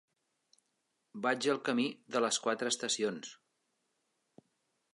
Vaig al camí de les Quatre Estacions.